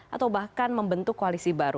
atau bahkan membentuk koalisi baru